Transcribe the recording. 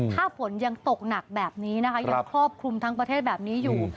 ถ้าฝนยังตกหนักแบบนี้นะคะยังครอบคลุมทั้งประเทศแบบนี้อยู่